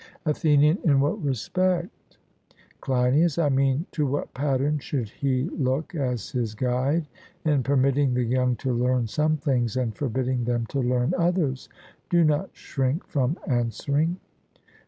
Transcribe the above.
ATHENIAN: In what respect? CLEINIAS: I mean to what pattern should he look as his guide in permitting the young to learn some things and forbidding them to learn others. Do not shrink from answering.